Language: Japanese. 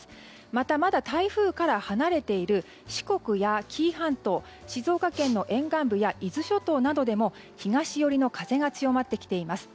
また、まだ台風から離れている四国や紀伊半島静岡県の沿岸部や伊豆諸島などでも東寄りの風が強まってきています。